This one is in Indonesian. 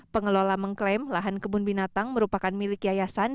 pengelola mengklaim lahan kebun binatang merupakan milik yayasan